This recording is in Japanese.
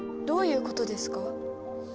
どういうことですか？